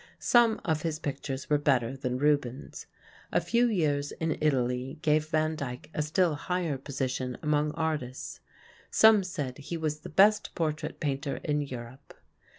Some of his pictures were better than Rubens'. A few years in Italy gave Van Dyck a still higher position among artists. Some said he was the best portrait painter in Europe.